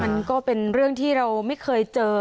มันก็เป็นเรื่องที่เราไม่เคยเจอ